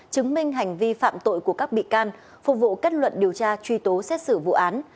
chứng minh hành vi phạm tội của các bị can phục vụ kết luận điều tra truy tố xét xử vụ án